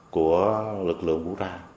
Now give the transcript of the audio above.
của lực lượng vũ trang